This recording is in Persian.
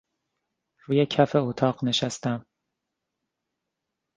روی کف اتاق نشستم.